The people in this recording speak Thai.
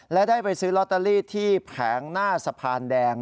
และได้ไปซื้อลอตเตอรี่ที่แผงหน้าสะพานแดง